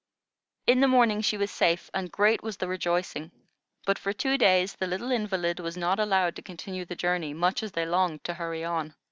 In the morning she was safe, and great was the rejoicing; but for two days the little invalid was not allowed to continue the journey, much as they longed to hurry on.